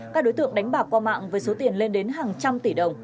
các đối tượng đánh bạc qua mạng với số tiền lên đến hàng trăm tỷ đồng